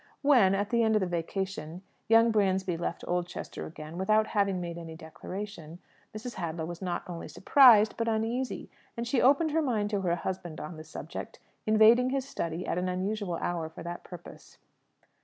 When, at the end of the vacation, young Bransby left Oldchester again without having made any declaration, Mrs. Hadlow was not only surprised, but uneasy; and she opened her mind to her husband on the subject, invading his study at an unusual hour for that purpose.